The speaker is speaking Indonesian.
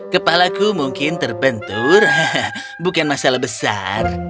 kepalaku mungkin terbentur bukan masalah besar